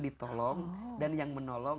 ditolong dan yang menolong